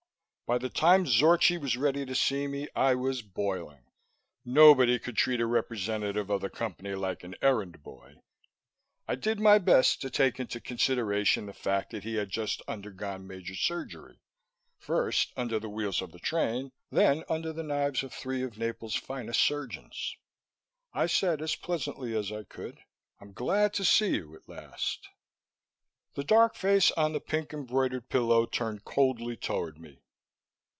By the time Zorchi was ready to see me, I was boiling. Nobody could treat a representative of the Company like an errand boy! I did my best to take into consideration the fact that he had just undergone major surgery first under the wheels of the train, then under the knives of three of Naples' finest surgeons. I said as pleasantly as I could, "I'm glad to see you at last." The dark face on the pink embroidered pillow turned coldly toward me.